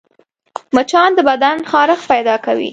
مچان د بدن خارښت پیدا کوي